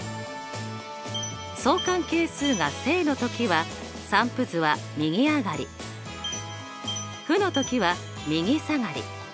相関係数が正の時は散布図は右上がり負の時は右下がり。